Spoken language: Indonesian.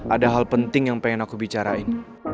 ada hal penting yang pengen aku bicarain